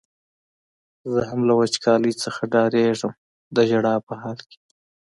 زه هم له وچکالۍ نه ډارېږم د ژړا په حال کې.